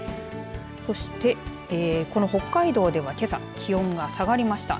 そして、この北海道では、けさ気温が下がりました。